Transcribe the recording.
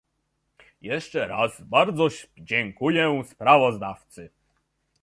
Jeszcze raz bardzo dziękuję sprawozdawcy